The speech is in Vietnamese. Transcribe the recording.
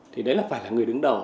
thì đấy phải là người đứng đầu